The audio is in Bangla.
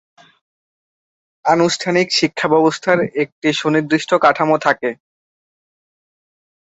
আনুষ্ঠানিক শিক্ষাব্যবস্থার একটি সুনির্দিষ্ট কাঠামো থাকে।